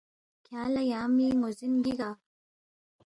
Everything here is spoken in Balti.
کھیانگ لہ یا مِی ن٘وزِن گِگا؟